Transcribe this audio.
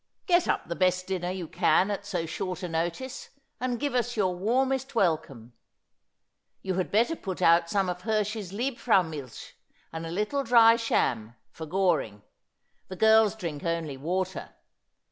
Get up the best dinner you can at so short a notice, and give us your warmest welcome. You had better put out some of Hirsch's Liebfraumilch and a little dry cham. for Gor ing. The girls drink only water.